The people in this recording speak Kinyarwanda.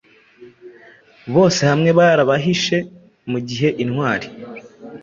Bose hamwe barabahishemugihe intwari